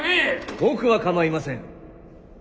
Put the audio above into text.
僕は構いません。